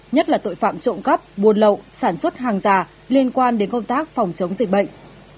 nhất là tội phạm trộm cắp buôn lậu sản xuất hàng giả liên quan đến công tác phòng chống dịch bệnh